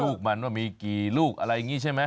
ลูกมันมีกี่ลูกอะไรแบบนี้ใช่ไหม